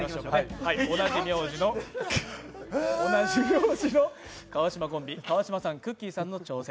同じ名字の川島さん、くっきー！さんの挑戦。